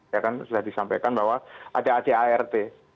ya kan sudah disampaikan bahwa ada adart